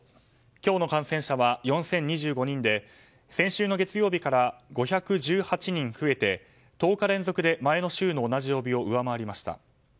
今日の感染者は４０２５人で先週の月曜日から５１８人増えて１０日連続で前の週の同じ曜日を上回りました。